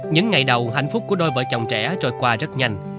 những ngày đầu hạnh phúc của đôi vợ chồng trẻ trôi qua rất nhanh